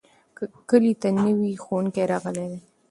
کلي ته نوی ښوونکی راغلی دی.